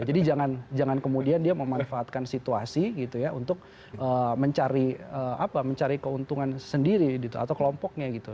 jadi jangan kemudian dia memanfaatkan situasi untuk mencari keuntungan sendiri atau kelompoknya gitu